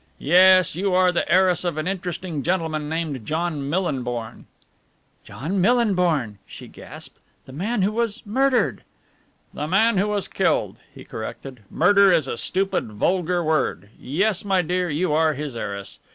"Yes, you are the heiress of an interesting gentleman named John Millinborn." "John Millinborn!" she gasped. "The man who was murdered!" "The man who was killed," he corrected. "'Murder' is a stupid, vulgar word. Yes, my dear, you are his heiress.